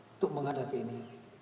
untuk menghadapi ini